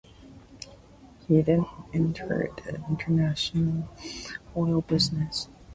He then entered the international oil business.